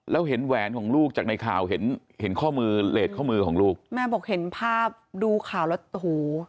แล้วเห็นแหวนของลูกจากในข่าวเห็นเห็นข้อมือเลสข้อมือของลูกแม่บอกเห็นภาพดูข่าวแล้วโอ้โห